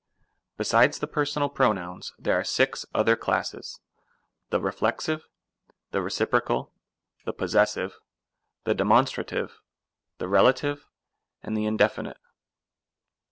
Besides the personal pronouns, there are six other classes : the Reflexive, the Reciprocal, the Pos sessive, the Demonstrative, the Relative, and the In definite.